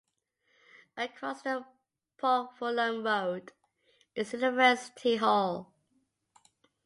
Across the Pokfulam Road, is University Hall.